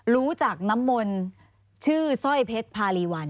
รู้จักน้ำมนต์ชื่อสร้อยเพชรพารีวัล